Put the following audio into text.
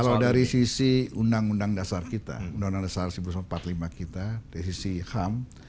kalau dari sisi undang undang dasar kita undang undang dasar seribu sembilan ratus empat puluh lima kita dari sisi ham